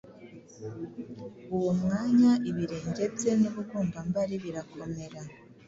uwo mwanya ibirenge bye n’ubugombambari birakomera,